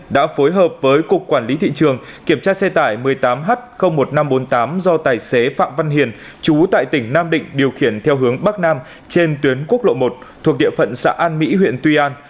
đã phối hợp với cục quản lý thị trường kiểm tra xe tải một mươi tám h một nghìn năm trăm bốn mươi tám do tài xế phạm văn hiền chú tại tỉnh nam định điều khiển theo hướng bắc nam trên tuyến quốc lộ một thuộc địa phận xã an mỹ huyện tuy an